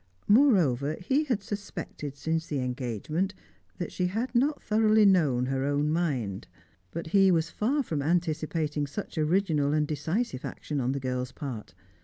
Moreover, he had suspected, since the engagement, that she had not thoroughly known her own mind. But he was far from anticipating such original and decisive action on the girl's part.